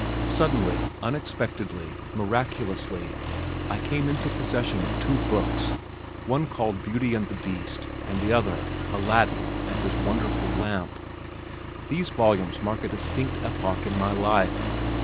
Suddenly, unexpectedly, miraculously, I came into possession of two books, one called Beauty and The Beast, and the other Aladdin and His Wonderful Lamp. These volumes mark a distinct epoch in my life.